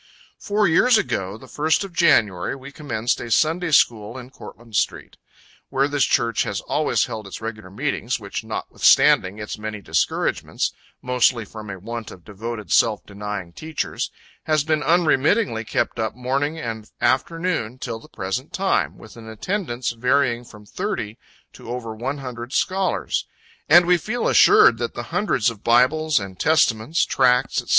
Four years ago, the 1st of January, we commenced a Sunday school in Courtland street, where this church has always held its regular meetings, which notwithstanding its many discouragements mostly from a want of devoted self denying teachers has been unremittingly kept up morning and afternoon, till the present time, with an attendance varying from thirty to over one hundred scholars; and we feel assured that the hundreds of Bibles and Testaments, tracts, &c.